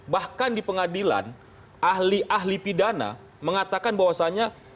bahkan di pengadilan ahli ahli pidana mengatakan bahwasannya